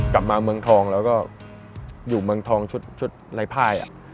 กลับมาเมืองทองแล้วก็อยู่เมืองทองชุดไร้ภาย